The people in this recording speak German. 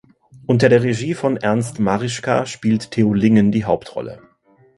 Unter der Regie von Ernst Marischka spielt Theo Lingen die Hauptrolle.